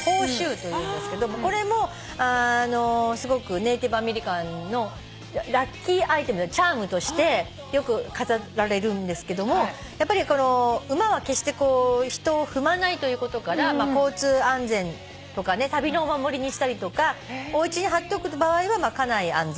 というんですけどこれもすごくネーティブアメリカンのラッキーアイテムチャームとしてよく飾られるんですけども馬は決して人を踏まないということから交通安全とかね旅のお守りにしたりとかおうちに張っておく場合は家内安全とかっていう感じです。